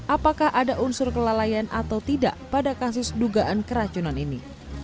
apakah ada unsur kelalaian atau tidak pada kasus dugaan keracunan ini